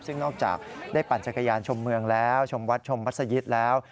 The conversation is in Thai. ซึ่งนอกจากได้ปั่นจักรยานชมเมืองแล้วชมวัดชมมัศยิตแล้ว